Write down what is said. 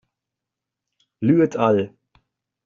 Lü et al.